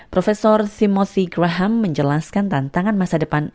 prof simosi graham menjelaskan tantangan masa depan